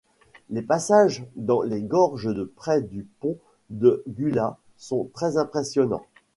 Les passages dans les gorges près du pont de Gula sont très impressionnants.